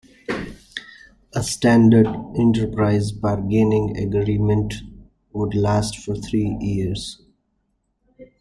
A standard enterprise bargaining agreement would last for three years.